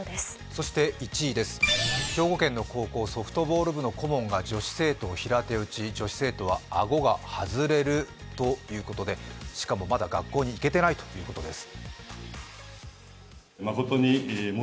そして１位です、兵庫県の高校ソフトボール部顧問が女子生徒を平手打ち、女子生徒は顎が外れるということで、しかも、まだ学校に行けてないということです。